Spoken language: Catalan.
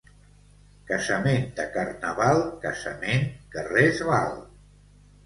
Casament de carnaval, casament que res val.